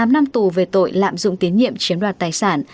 một mươi tám năm tù về tội lạm dụng tiến nhiệm chiếm đoạt tài sản